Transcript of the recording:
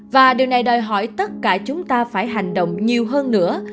và điều này đòi hỏi tất cả chúng ta phải hành động nhiều hơn nữa